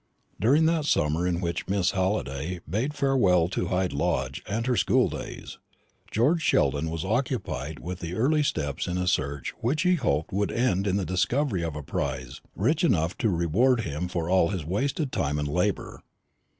During that summer in which Miss Halliday bade farewell to Hyde Lodge and her school days, George Sheldon was occupied with the early steps in a search which he hoped would end in the discovery of a prize rich enough to reward him for all his wasted time and labour.